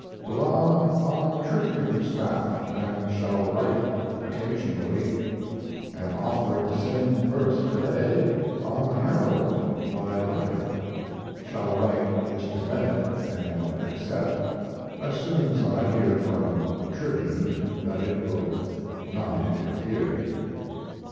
Belong on the Tribune Staff, and shall write occasionally. Am offered the same berth to day on the Herald by letter. Shall write Mr. Bennett and accept, as soon as I hear from Tribune that it will not interfere.